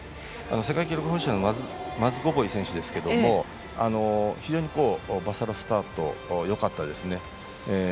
世界記録保持者のマズゴボイ選手ですけれども非常にバサロスタートがよかったですね。